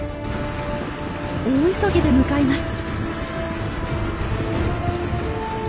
大急ぎで向かいます。